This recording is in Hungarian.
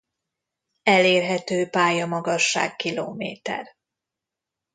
Elérhető pályamagasság kilométer.